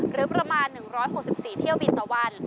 หรือประมาณ๑๖๔เที่ยวบินต่อวัน